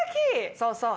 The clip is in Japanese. そうそう。